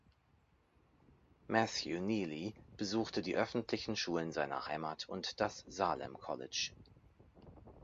Matthew Neely besuchte die öffentlichen Schulen seiner Heimat und das "Salem College".